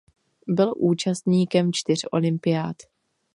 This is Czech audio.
Byl účastníkem čtyř olympiád.